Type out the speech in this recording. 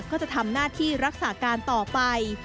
ก็จะทำหน้าที่รักษาการต่อไป